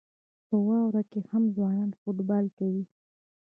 په واورو کې هم ځوانان فوټبال کوي.